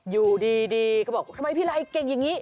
อยู่ดีก็บอกทำไมพี่ไรเก่งอย่างนี้